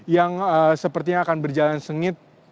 yang sepertinya akan berjalan sengit